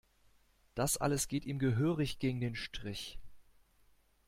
Das alles geht ihm gehörig gegen den Strich.